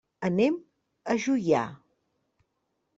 Anem a Juià.